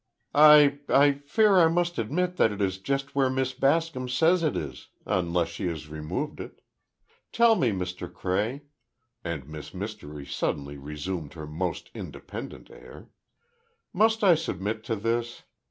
"I—I fear I must admit that it is just where Miss Bascom says it is—unless she has removed it. Tell me, Mr. Cray," and Miss Mystery suddenly resumed her most independent air, "must I submit to this?